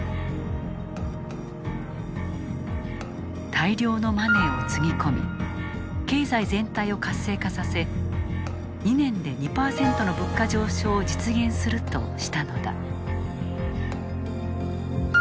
大量のマネーをつぎ込み経済全体を活性化させ２年で２％の物価上昇を実現するとしたのだ。